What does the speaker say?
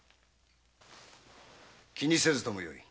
気にせずともよい。